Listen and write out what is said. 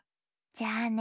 じゃあね